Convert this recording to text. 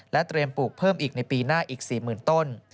เตรียมปลูกเพิ่มอีกในปีหน้าอีก๔๐๐๐ต้น